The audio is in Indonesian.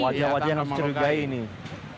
wajah wajah yang harus curigai nih